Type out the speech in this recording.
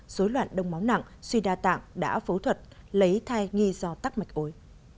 dối loạn đông máu nặng suy đa tạng đã phẫu thuật lấy thai nghi do tắc mạch ối